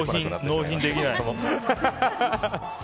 納品できない。